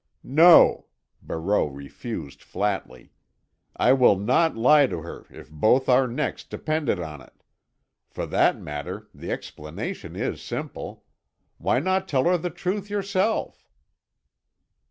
"No," Barreau refused flatly. "I will not lie to her if both our necks depended on it. For that matter, the explanation is simple. Why not tell her the truth yourself?"